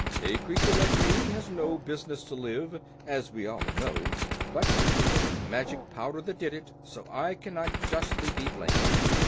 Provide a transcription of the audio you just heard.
"A creature like me has no business to live, as we all know. But it was the magic powder that did it, so I cannot justly be blamed."